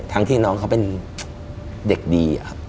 ที่น้องเขาเป็นเด็กดีครับ